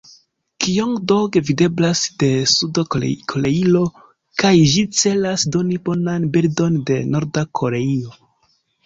Kijong-dong videblas de Sud-Koreio kaj ĝi celas doni bonan bildon de Norda Koreio.